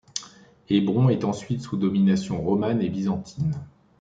Hébron est ensuite sous domination romane et byzantine.